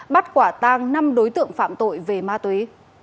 bắt quả tang năm đối tượng phạm tội về ma túy